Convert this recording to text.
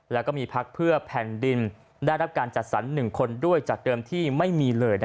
แล้วก็มีพักเพื่อแผ่นดินได้รับการจัดสรร๑คนด้วยจากเดิมที่ไม่มีเลย